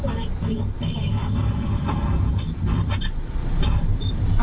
อะไรอ่ะ